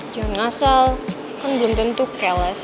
jangan ngasal kan belum tentu keles